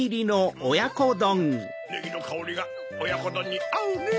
うんネギのかおりがおやこどんにあうねぇ。